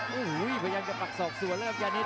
ประโยชน์ทอตอร์จานแสนชัยกับยานิลลาลีนี่ครับ